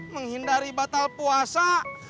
menghindari batal puasa